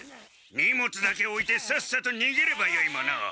荷物だけおいてさっさとにげればよいものを。